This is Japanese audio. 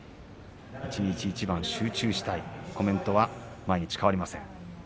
一日一番、集中したいコメントは毎日変わりません。